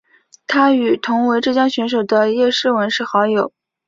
她与同为浙江选手的叶诗文是好友。